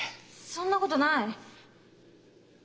そんなことない。